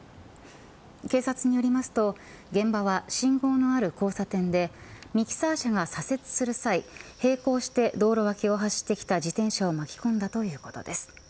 警察によりますと、現場は信号のある交差点でミキサー車が左折する際並行して道路脇を走ってきた自転車を巻き込んだということです。